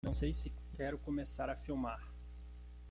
Não sei se quero começar a filmar.